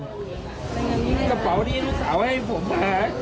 กระเป๋าที่ลูกสาวให้ผมมา